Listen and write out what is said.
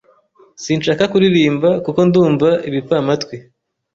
Sinshaka kuririmba, kuko ndumva-ibipfamatwi.